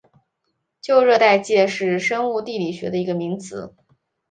旧热带界是生物地理学的一个名词。